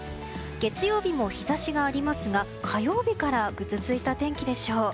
月曜日も日差しがありますが火曜日からぐずついた天気でしょう。